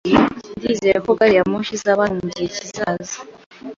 Ndizera ko gari ya moshi izaba hano mugihe kizaza